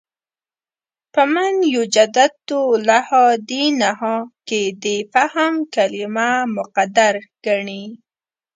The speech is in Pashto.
په «مَن یُجَدِّدُ لَهَا دِینَهَا» کې د «فهم» کلمه مقدر ګڼي.